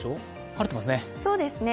晴れてますね。